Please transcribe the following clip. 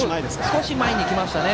少し前に来ましたね。